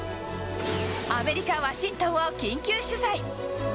アメリカ・ワシントンを緊急取材。